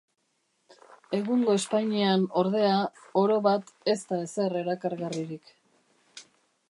Egungo Espainian, ordea, orobat, ez da ezer erakargarririk.